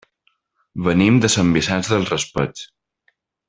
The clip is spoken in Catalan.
Venim de Sant Vicent del Raspeig.